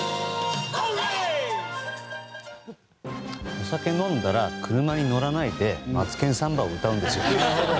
お酒を飲んだら車に乗らないで「マツケンサンバ」を歌うんですよ。